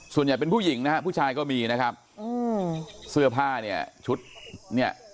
ส่วนใหญ่เป็นผู้หญิงนะฮะผู้ชายก็มีนะครับอืมเสื้อผ้าเนี่ยชุดเนี่ย